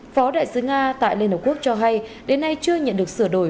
phó đại sứ nga tại liên hợp quốc cho hay đến nay chưa nhận được sửa đổi